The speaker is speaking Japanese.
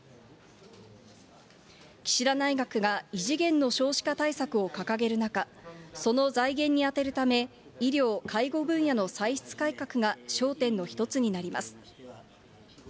岸田内閣が、異次元の少子化対策を掲げる中、その財源に充てるため、医療・介護分野の歳出改革が焦点の一つになります。